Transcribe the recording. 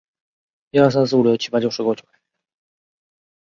无柄花瓜子金为远志科远志属下的一个种。